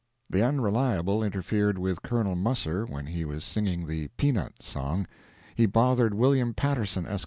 The Unreliable interfered with Col. Musser when he was singing the pea nut song; he bothered William Patterson, Esq.